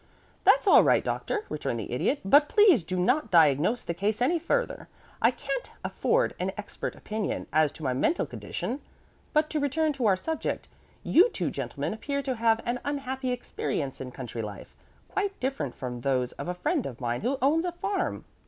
"That's all right, Doctor," returned the Idiot; "but please do not diagnose the case any further. I can't afford an expert opinion as to my mental condition. But to return to our subject: you two gentlemen appear to have had unhappy experiences in country life quite different from those of a friend of mine who owns a farm.